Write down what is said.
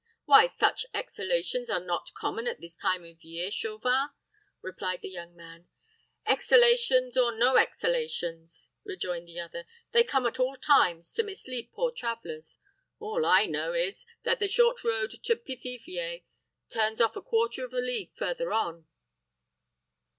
"Why, such exhalations are not common at this time of year, Chauvin," replied the young man. "Exhalations or no exhalations," rejoined the other, "they come at all times, to mislead poor travelers. All I know is, that the short road to Pithiviers turns off a quarter of a league further on."